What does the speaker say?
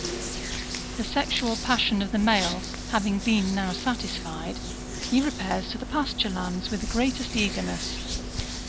The sexual passion of the male having been now satisfied, he repairs to the pasture lands with the greatest eager ness.